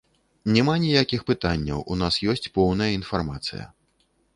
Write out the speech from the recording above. Няма ніякіх пытанняў, у нас ёсць поўная інфармацыя.